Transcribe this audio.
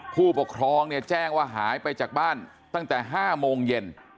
ผู้ปกครองเนี่ยแจ้งว่าหายไปจากบ้านตั้งแต่๕โมงเย็น